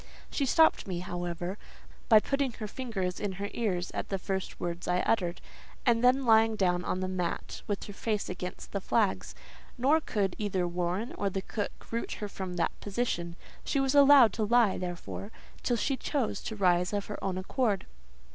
She stopped me, however, by putting her fingers in her ears at the first words I uttered, and then lying down on the mat with her face against the flags; nor could either Warren or the cook root her from that position: she was allowed to lie, therefore, till she chose to rise of her own accord.